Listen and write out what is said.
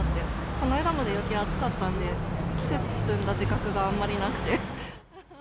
この間まで陽気、暑かったので、季節進んだ自覚があまりなくて。